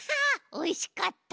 おいしかった。